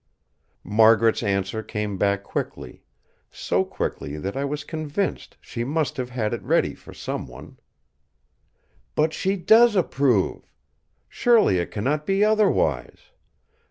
Margaret's answer came back quickly; so quickly that I was convinced she must have had it ready for some one: "But she does approve! Surely it cannot be otherwise.